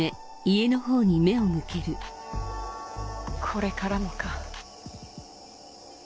「これからも」か。